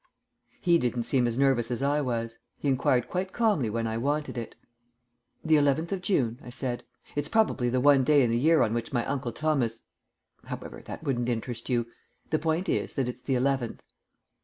He didn't seem as nervous as I was. He enquired quite calmly when I wanted it. "The eleventh of June," I said. "It's probably the one day in the year on which my Uncle Thomas However, that wouldn't interest you. The point is that it's the eleventh."